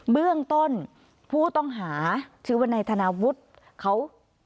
เบื้องต้นผู้ต้องหาชื่อว่านายธนาวุฒิเขา